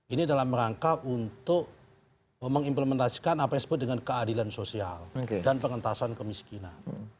ini dalam rangka untuk mengimplementasikan apa yang disebut dengan keadilan sosial dan pengentasan kemiskinan